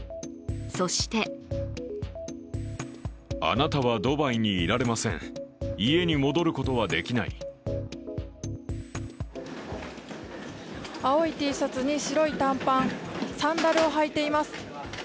そして青いＴシャツに白い短パン、サンダルを履いています。